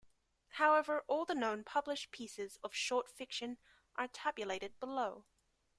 However, all the known published pieces of short fiction are tabulated below.